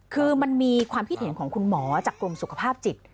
คือมันมีความคิดเห็นของคุณหมอจากกรมสุขภาพจิต